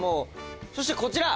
そしてこちら！